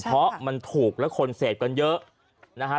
เพราะมันถูกแล้วคนเสพกันเยอะนะฮะ